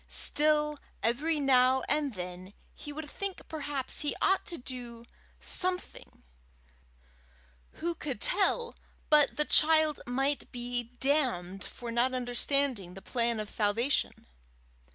Still, every now and then he would think perhaps he ought to do something: who could tell but the child might be damned for not understanding the plan of salvation?